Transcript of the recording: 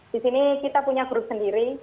disini kita punya grup sendiri